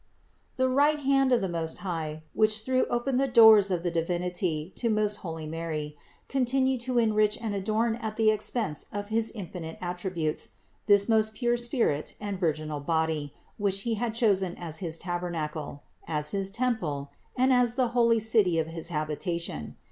27. The right arm of the Most High, which threw open the doors of the Divinity to most holy Mary, con tinued to enrich and adorn at the expense of his infinite attributes this most pure spirit and virginal body which He had chosen as his tabernacle, as his temple, and as the holy city of his habitation.